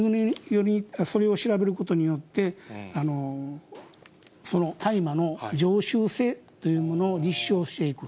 それを調べることによって、その大麻の常習性というものを立証していく。